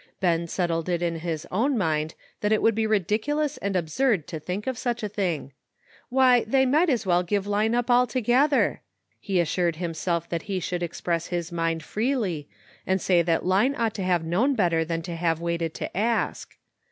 Ben settled it in his own mind that it would be ridiculous and absurd to think of such a thing. Why, they might as well give Line up altogether ! He assured him self that he should express his mind freely, and say that Line ought to have known better than to have waited to ask.